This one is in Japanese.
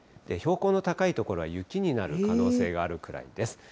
標高の高い所は雪になる可能性があるくらいです。